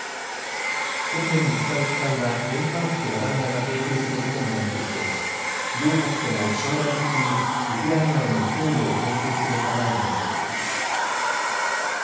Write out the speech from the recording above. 訓練に使う機体はデンマークとオランダが提供することになっていて両国とも将来的にウクライナへの供与を検討する構えも見せています。